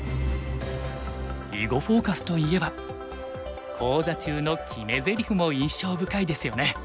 「囲碁フォーカス」といえば講座中の決めぜりふも印象深いですよね。